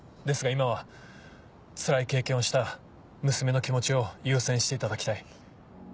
ですが今はつらい経験をした娘の気持ちを優先していただきたい。